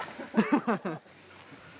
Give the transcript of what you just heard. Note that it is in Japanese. ハハハハ。